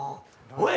おい！